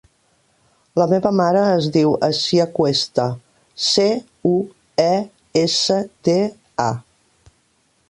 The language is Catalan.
La meva mare es diu Assia Cuesta: ce, u, e, essa, te, a.